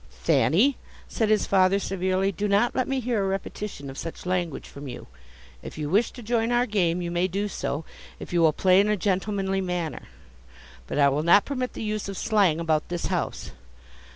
"Thanny," said his father, severely, "do not let me hear a repetition of such language from you. If you wish to join our game, you may do so, if you will play in a gentlemanly manner. But I will not permit the use of slang about this house.